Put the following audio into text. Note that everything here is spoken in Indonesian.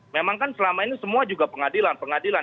memang kan selama ini semua juga pengadilan pengadilan